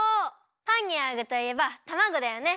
パンにあうぐといえばたまごだよね。